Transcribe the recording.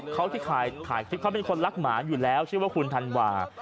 เขาเป็นคนรักหมาอยู่แล้วชื่อว่าคุณธันวา